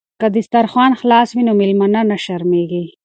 که دسترخوان خلاص وي نو میلمه نه شرمیږي.